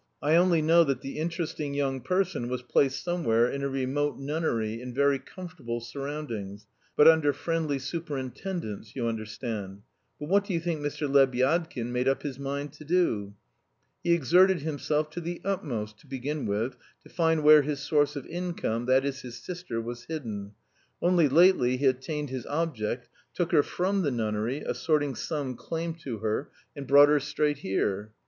I only know that the interesting young person was placed somewhere in a remote nunnery, in very comfortable surroundings, but under friendly superintendence you understand? But what do you think Mr. Lebyadkin made up his mind to do? He exerted himself to the utmost, to begin with, to find where his source of income, that is his sister, was hidden. Only lately he attained his object, took her from the nunnery, asserting some claim to her, and brought her straight here.